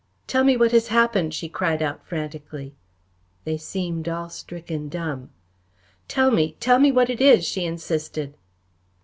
"Tell me what has happened?" she cried out frantically. They seemed all stricken dumb. "Tell me, tell me what it is?" she insisted.